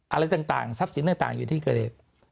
อะไรต่างทรัพย์สินต่างอยู่ที่เกิดเหตุ